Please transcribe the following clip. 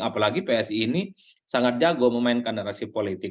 apalagi psi ini sangat jago memainkan narasi politik